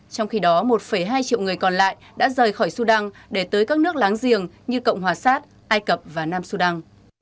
trong khi đó một hai triệu người còn lại đã rời khỏi sudan để tới các nước láng giềng như cộng hòa sát ai cập và nam sudan